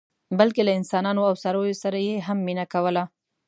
بلکې له انسانانو او څارویو سره یې هم مینه کوله.